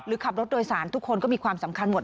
ขับรถโดยสารทุกคนก็มีความสำคัญหมด